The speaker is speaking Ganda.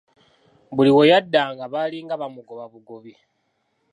Buli we yaddanga baalinga bamugoba bugobi.